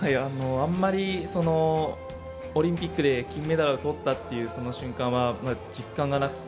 あまりオリンピックで金メダルをとったというその瞬間は、まだ実感がなくて。